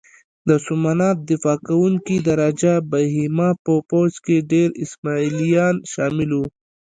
د سومنات دفاع کوونکي د راجه بهیما په پوځ کې ډېر اسماعیلیان شامل وو.